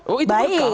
oh itu berkah